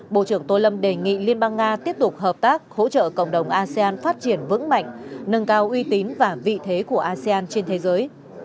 bộ trưởng tô lâm đề nghị liên bang nga tiếp tục hợp tác hỗ trợ cộng đồng asean phát triển vững mạnh nâng cao uy tín và vị thế của asean trên thế giới